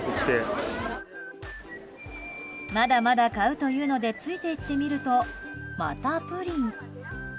まだまだ買うというのでついていってみるとまたプリン。